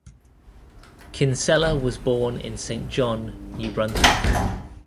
Kinsella was born in Saint John, New Brunswick.